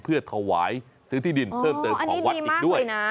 เพื่อถวายซื้อที่ดินเพิ่มเติมของวัดอีกด้วยนะ